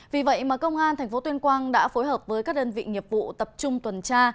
vì vậy mà công an tp tuyên quang đã phối hợp với các đơn vị nghiệp vụ tập trung tuần tra